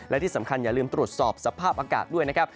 และที่สำคัญอย่าลืมตรวจสอบสภาพอากาศด้วยนะครับ